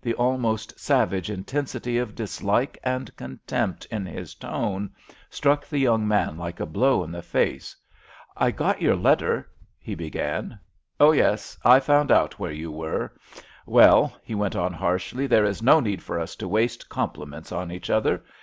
The almost savage intensity of dislike and contempt in his tone struck the young man like a blow in the face. "I got your letter——" he began. "Oh, yes, I found out where you were. Well," he went on, harshly, "there is no need for us to waste compliments on each other.